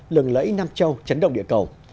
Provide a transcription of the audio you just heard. lừng lẫy nam châu chấn động địa cầu